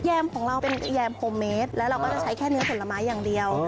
แมมของเราเป็นแยมโฮมเมสแล้วเราก็จะใช้แค่เนื้อผลไม้อย่างเดียว